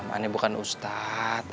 ini bukan ustadz